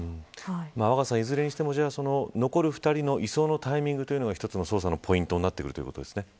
若狭さん、いずれにしても残る２人の移送のタイミングが捜査のポイントになってくるということですね。